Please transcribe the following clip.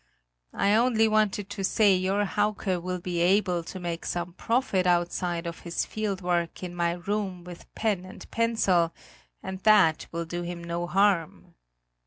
I only wanted to say, your Hauke will be able to make some profit outside of his field work in my room with pen and pencil, and that will do him no harm."